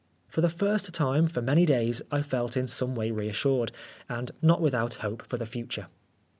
For the first time for many days I felt in some way reassured, and not without hope for the future.